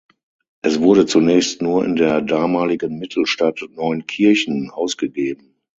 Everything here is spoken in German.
Es wurde zunächst nur in der damaligen Mittelstadt Neunkirchen ausgegeben.